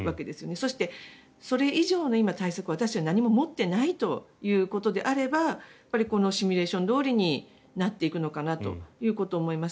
そして、それ以上の対策を私たちは何も持っていないということであればこのシミュレーションどおりになっていくのかなと思います。